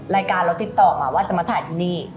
รายการเราติดต่อมาว่าจะมาถ่ายที่นี่